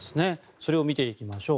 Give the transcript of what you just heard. それを見ていきましょう。